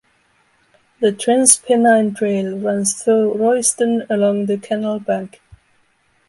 The Trans Pennine Trail runs through Royston along the canal bank.